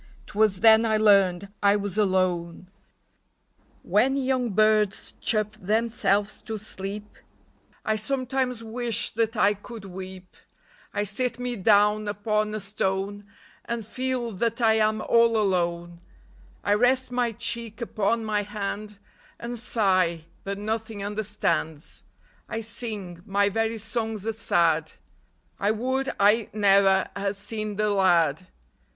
'T was then I learned I was alone ! When young birds chirp themselves to sleep, I sometimes wish that I could weep ; I sit me down upon a stone And feel that I am all alone ; I rest my cheek upon my hand And sigh, but nothing understands ; I sing — my very songs are sad ; I would I ne'er had seen the lad